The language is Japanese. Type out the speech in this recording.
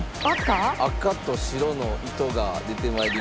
赤と白の糸が出てまいりました。